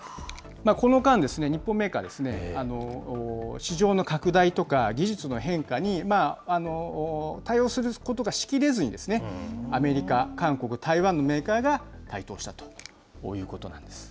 この間ですね、日本メーカー、市場の拡大とか、技術の変化に対応することがしきれずに、アメリカ、韓国、台湾のメーカーが台頭したということなんです。